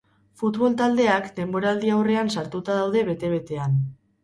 Futbol taldeak denboraldi-aurrean sartuta daude bete-betean.